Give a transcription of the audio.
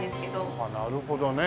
ああなるほどね。